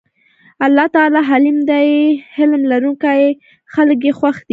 الله تعالی حليم دی حِلم لرونکي خلک ئي خوښ دي